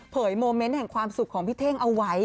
โมเมนต์แห่งความสุขของพี่เท่งเอาไว้